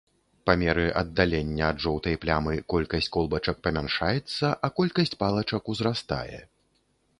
Па меры аддалення ад жоўтай плямы колькасць колбачак памяншаецца, а колькасць палачак узрастае.